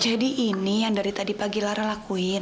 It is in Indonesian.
jadi ini yang dari tadi pagi lara lakuin